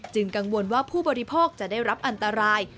กังวลว่าผู้บริโภคจะได้รับอันตราย